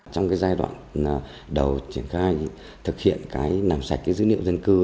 trong giai đoạn đầu triển khai thực hiện làm sạch dữ liệu dân cư